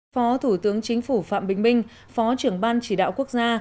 phó thủ tướng chính phủ phạm bình minh phó trưởng ban chỉ đạo quốc gia